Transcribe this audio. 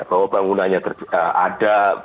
bahwa pembangunannya ada